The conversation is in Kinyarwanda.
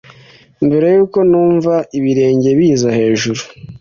mbere yuko numva ibirenge biza hejuru